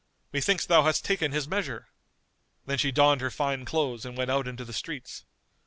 Methinks thou hast taken his measure." Then she donned her fine clothes and went out into the streets.